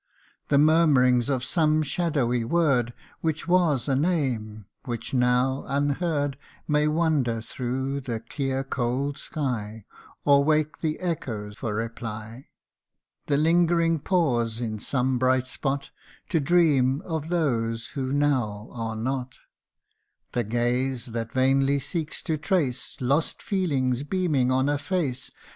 The murmuring of some shadowy word, Which was a name which now, unheard, May wander thro 1 the clear cold sky, Or wake the echo for reply : The lingering pause in some bright spot To dream of those who now are not : The gaze that vainly seeks to trace Lost feelings beaming on a face N 194 THE BRIDE.